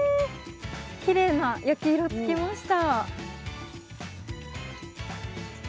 きれいな焼き色がつきました。